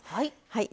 はい。